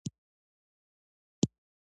کابل د افغان کورنیو د دودونو مهم عنصر دی.